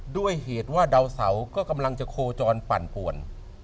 ด้วยเหตุว่าดาวเสาก็กำลังจะโคจรปั่นป่วน